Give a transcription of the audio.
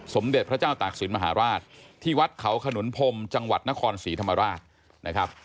สมเด็จพระเจ้าตากศิลปมหาราชที่วัดเขาขนุนพรมจังหวัดนครศรีธรรมราชนะครับ